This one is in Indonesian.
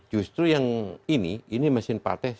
justru yang ini ini mesin partai